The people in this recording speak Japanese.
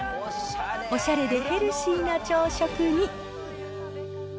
おしゃれでヘルシーな朝食に。